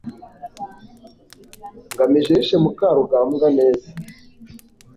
ngamije yishe mukarugambwa neza